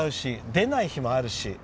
出ない日もあるし。